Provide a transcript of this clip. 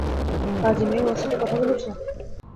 পাজি মেয়ে, ওর সাথে কথা বলেছো?